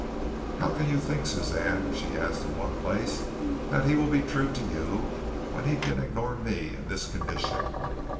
"How can you think, Suzanne," she asked in one place, "that he will be true to you when he can ignore me, in this condition?